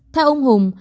theo ông hùng